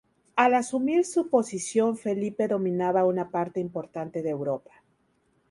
Al asumir su posición Felipe dominaba una parte importante de Europa.